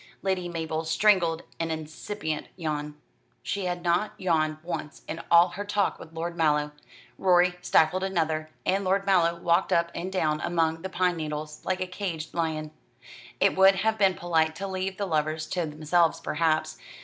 Lady Mabel strangled an incipient yawn. She had not yawned once in all her talk with Lord Mallow. Rorie stifled another, and Lord Mallow walked up and down among the pine needles, like a caged lion. It would have been polite to leave the lovers to themselves, perhaps.